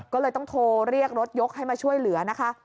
ก็เลยต้องโทรเรียกรถยกให้มาช่วยเหลือนะคะ